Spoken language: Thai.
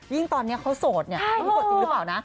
ตอนนี้เขาโสดเนี่ยไม่รู้โสดจริงหรือเปล่านะ